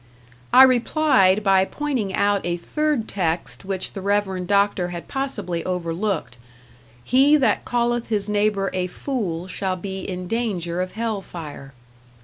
I replied by pointing out a third text which the Reverend Doctor had possibly overlooked: "He that calleth his neighbor a fool shall be in danger of hell fire."